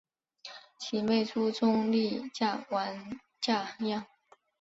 其妹朱仲丽嫁王稼祥。